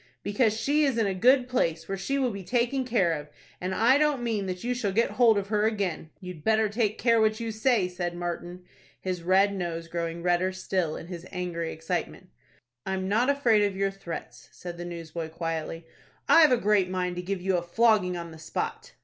"Because she is in a good place, where she will be taken care of, and I don't mean that you shall get hold of her again." "You'd better take care what you say," said Martin, his red nose growing redder still, in his angry excitement. "I'm not afraid of your threats," said the newsboy, quietly. "I've a great mind to give you a flogging on the spot."